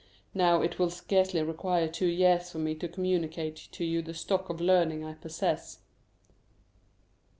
Now, it will scarcely require two years for me to communicate to you the stock of learning I possess."